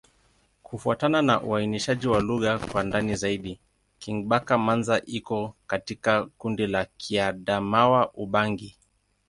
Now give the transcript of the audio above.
Kufuatana na uainishaji wa lugha kwa ndani zaidi, Kingbaka-Manza iko katika kundi la Kiadamawa-Ubangi.